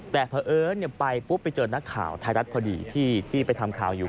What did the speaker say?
แต่พอเอิ้นไปปุ๊บไปเจอนักข่าวไทยรัฐพอดีที่ไปทำข่าวอยู่